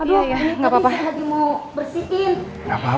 aduh mami sya lagi mau bersihin